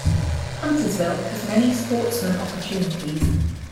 Huntersville has many sportsman opportunities.